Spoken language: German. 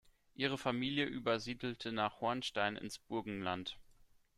Ihre Familie übersiedelte nach Hornstein ins Burgenland.